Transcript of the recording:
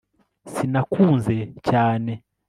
sinakunze cyane